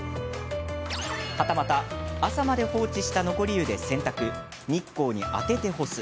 はたまた朝まで放置した残り湯で洗濯日光に当てて干す。